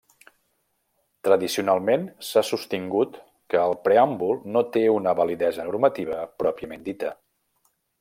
Tradicionalment s'ha sostingut que el preàmbul no té una validesa normativa pròpiament dita.